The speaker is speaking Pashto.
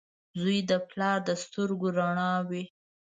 • زوی د پلار د سترګو رڼا وي.